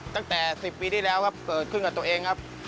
ตั้งแต่๑๐ปีที่แล้วครับเกิดขึ้นกับตัวเองครับ